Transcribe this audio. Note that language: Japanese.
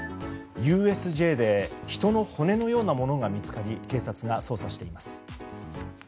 ＵＳＪで人の骨のようなものが見つかり警察が捜査しています。